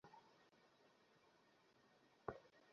এর ফলে ইসরায়েলের মানুষের কথা বলার অধিকার খর্ব করা হয়েছে।